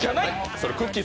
それ、くっきー！